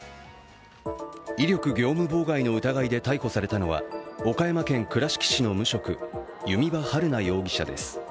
威力業務妨害の疑いで逮捕されたのは岡山県倉敷市の無職弓場晴菜容疑者です。